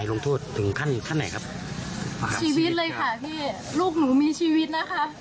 ก็ต้องการแค่ทรัพย์สิน